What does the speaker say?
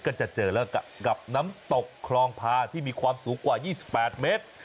ก็จะเจอแล้วกับน้ำตกคลองพาที่มีความสูงกว่า๒๘เมตร